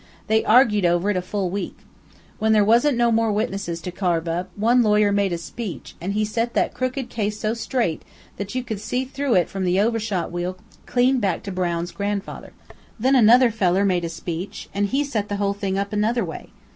They argyed over it a full week. When there wasn't no more witnesses to carve up, one lawyer made a speech, an' he set that crooked case so straight, that you could see through it from the over shot wheel clean back to Brown's grandfather. Then another feller made a speech, and he set the whole thing up another way.